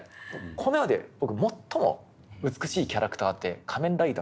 この世で僕最も美しいキャラクターって仮面ライダー